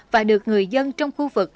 và được người dân trong khu vực